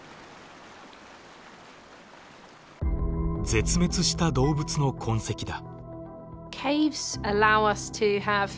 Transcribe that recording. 絶滅した動物の痕跡だ。